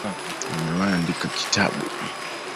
Nimewahi andika kitabu